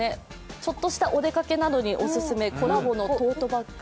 ちょっとしたお出かけなどにオススメ、コラボのトートバッグ。